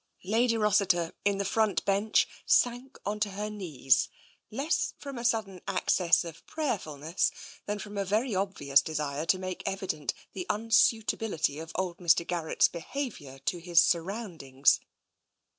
Lady Rossiter, in the front bench, sank onto her knees, less from a sudden access of prayerfulness than from a very obvious desire to make evident the unsuitability of old Mr. Garrett's behaviour to his surroundings.